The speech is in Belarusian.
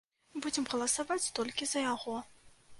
Будзем галасаваць толькі за яго.